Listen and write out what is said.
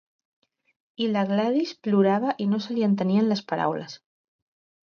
I la Gladys plorava i no se li entenien les paraules.